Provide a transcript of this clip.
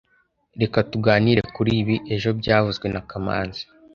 Reka tuganire kuri ibi ejo byavuzwe na kamanzi